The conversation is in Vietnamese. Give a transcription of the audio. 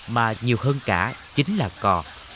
mà nhiều hơn cả chính là cò